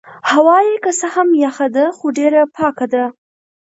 هوا يې که څه هم یخه ده خو ډېره پاکه ده.